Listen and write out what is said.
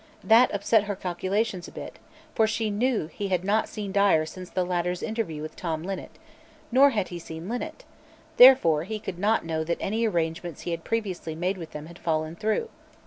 That upset her calculations a bit, for she knew he had not seen Dyer since the latter's interview with Tom Linnet, nor had he seen Linnet; therefore he could not know that any arrangements he had previously made with them had fallen through.